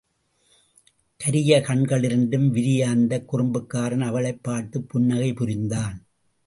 கரிய கண்களிரண்டும் விரிய அந்தக் குறும்புக்காரன் அவளைப் பார்த்துப் புன்னகை புரிந்தான்.